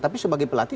tapi sebagai pelatih